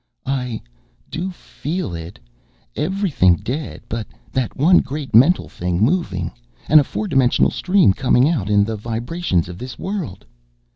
"I do feel it! Everything dead but that one great mental thing moving, and a four dimensional stream coming out in the vibrations of this world!"